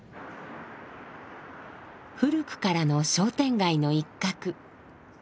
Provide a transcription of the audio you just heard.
古くからの商店街の一角。